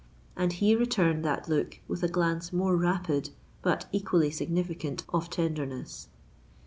And he returned that look with a glance more rapid but equally significant of tenderness.